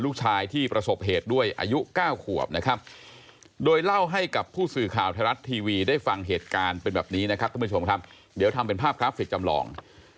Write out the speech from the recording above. คุณผู้ชมครับเดี๋ยวทำเป็นภาพคราฟฟิตจำลอง